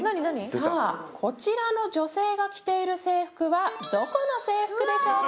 さあこちらの女性が着ている制服はどこの制服でしょうか？